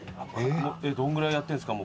どんぐらいやってんですか？